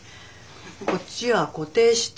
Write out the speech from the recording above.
こっちは固定して。